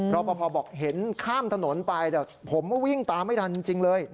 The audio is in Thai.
รอปภบอกเห็นข้ามถนนไปแต่ผมก็วิ่งตามไม่ทันจริงเลย